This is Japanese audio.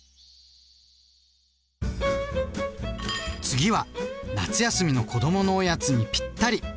次は夏休みの子どものおやつにぴったり！